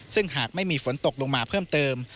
ซึ่งหากไม่มีฝนตกลงมาเพิ่มเติม